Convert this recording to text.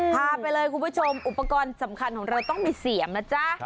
พาไปเลยคุณผู้ชมอุปกรณ์สำคัญของเราต้องมีเสียมนะจ๊ะ